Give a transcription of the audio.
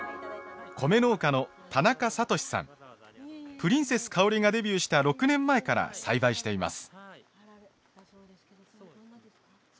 プリンセスかおりがデビューした６年前から栽培しています。